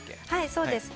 そうです。